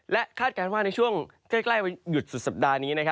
และคาดการณ์ว่าในช่วงใกล้วันหยุดสุดสัปดาห์นี้